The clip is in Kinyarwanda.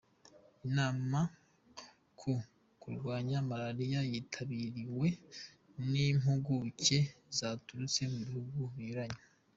Inama ku kurwanya malariya yitabiriwe n’impuguke zaturutse mu bihugu binyuranye.